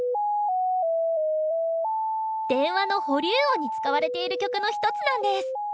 電話の保留音に使われている曲の一つなんです。